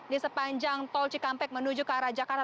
di sepanjang tol cikampek menuju ke arah jakarta